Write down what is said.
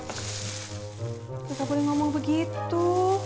kita boleh ngomong begitu